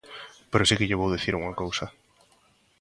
Pero si que lle vou dicir unha cousa.